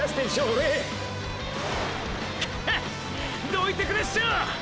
どいてくれっショ！！